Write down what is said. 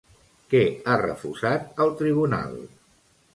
Què ha refusat el Tribunal?